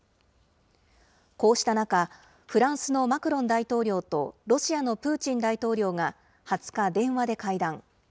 こうした中、フランスのマクロン大統領とロシアのプーチン大統領が２０日、電話で会談。